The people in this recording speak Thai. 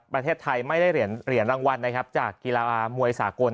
ประเทศไทยไม่ได้เหรียญรางวัลนะครับจากกีฬามวยสากล